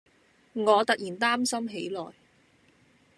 我突然擔心起來